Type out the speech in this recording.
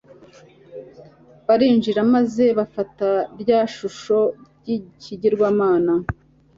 barinjira maze bafata rya shusho ry'ikigirwamana